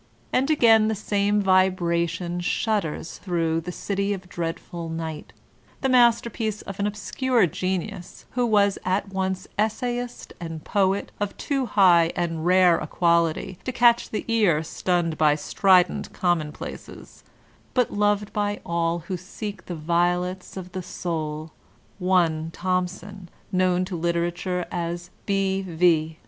And again the same vibration shudders through "The City of Dreadful Night,'' the masterpiece of an obscure genius who was at once essaybt and poet of too high and rare a quality to catch the ear stunned by strident commonplaces, but loved by all who seek the violets of the soul, one Thom son, known to literature as "B. V."